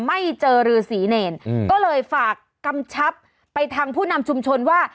ไม่เจอรือศรีเนรก็เลยฝากกำชับไปทางผู้นำชุมชนว่า